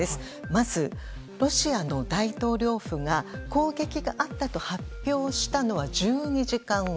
まず、ロシアの大統領府が攻撃があったと発表したのは１２時間後。